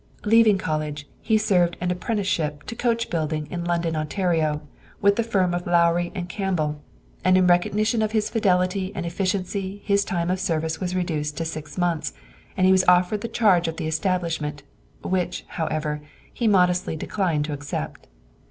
Leaving college, he served an apprenticeship to coach building in London, Ont., with the firm of Lowrie & Campbell, and in recognition of his fidelity and efficiency his time of service was reduced six months, and he was offered the charge of the establishment, which, however, he modestly declined to accept.